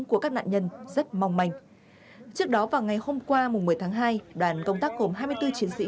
của các nạn nhân rất mong manh trước đó vào ngày hôm qua một mươi tháng hai đoàn công tác gồm hai mươi bốn chiến sĩ